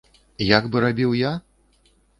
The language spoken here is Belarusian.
Як бы рабіў я?